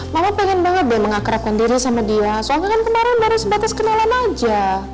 mama pengen banget deh mengakrabkan diri sama dia soalnya kan kemarin baru sebatas kenalan aja